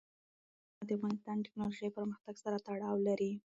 ځنګلونه د افغانستان د تکنالوژۍ پرمختګ سره تړاو لري.